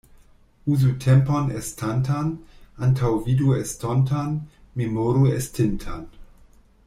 Uzu tempon estantan, antaŭvidu estontan, memoru estintan.